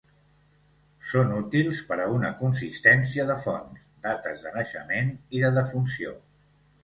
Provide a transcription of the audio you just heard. Són útils per a una consistència de fonts, dates de naixement i de defunció.